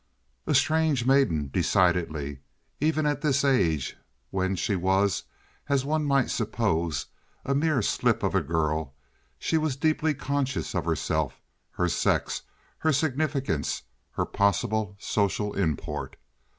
A strange maiden, decidedly! Even at this age, when she was, as one might suppose, a mere slip of a girl, she was deeply conscious of herself, her sex, her significance, her possible social import.